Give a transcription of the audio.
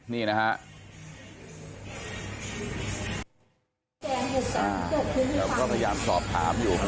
นี่นะฮะ